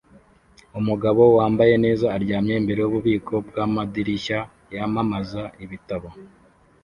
Umugabo wambaye neza aryamye imbere yububiko bwamadirishya yamamaza ibitabo